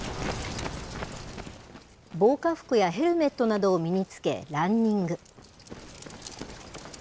防火服やヘルメットなどを身に着け、ランニング。